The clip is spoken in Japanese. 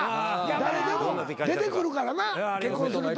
誰でも出てくるからな結婚すると。